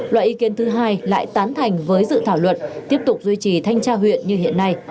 loại ý kiến thứ hai lại tán thành với dự thảo luật tiếp tục duy trì thanh tra huyện như hiện nay